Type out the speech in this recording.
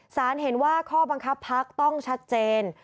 เห็นว่าข้อบังคับพักต้องชัดเจน